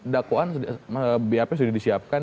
dakoan bap sudah disiapkan